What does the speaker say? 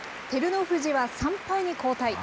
照ノ富士は３敗に後退。